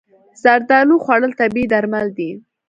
زردالو خوړل طبیعي درمل دي.